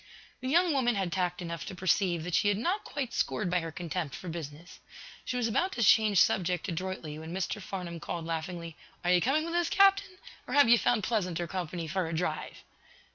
The young woman had tact enough to perceive that she had not quite scored by her contempt for business. She was about to change subject adroitly, when Mr. Farnum called, laughingly: "Are you coming with us, captain? Or, have you found pleasanter company for a drive?"